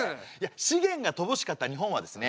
資源がとぼしかった日本はですね